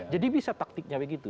jadi bisa taktiknya begitu